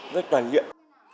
rất toàn diện